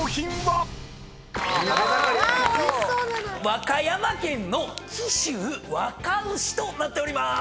和歌山県の紀州和華牛となっておりまーす。